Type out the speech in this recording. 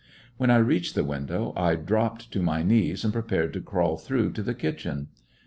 When I reached the window, I dropped to my knees and prepared to crawl through to the kitchen.